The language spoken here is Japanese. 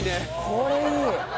これいい！